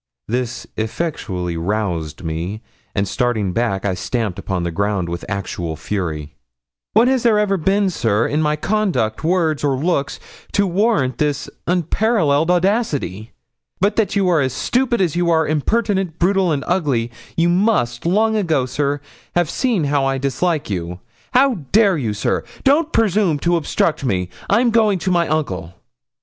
This effectually roused me, and starting back, I stamped upon the ground with actual fury. 'What has there ever been, sir, in my conduct, words, or looks, to warrant this unparalleled audacity? But that you are as stupid as you are impertinent, brutal, and ugly, you must, long ago, sir, have seen how I dislike you. How dare you, sir? Don't presume to obstruct me; I'm going to my uncle.'